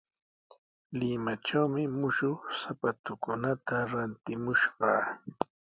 Limatrawmi mushuq sapatukunata rantimushqaa.